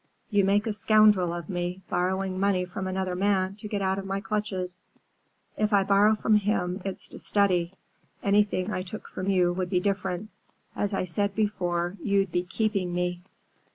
You make a scoundrel of me, borrowing money from another man to get out of my clutches." "If I borrow from him, it's to study. Anything I took from you would be different. As I said before, you'd be keeping me."